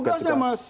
itu tugasnya mas